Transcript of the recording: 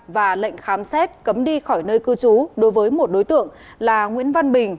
và lệnh khám xét cấm đi khỏi nơi cư trú đối với một đối tượng là nguyễn văn bình